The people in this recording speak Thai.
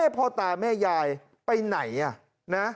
พ่อตาแม่ยายไปไหนนะ